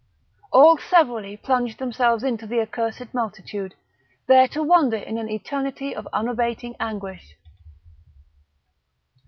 All severally plunged themselves into the accursed multitude, there to wander in an eternity of unabating anguish.